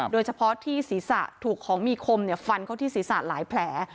โดยเฉพาะที่ศีรษะถูกของมีคมฟันเข้าที่ศีรษะหลายแผล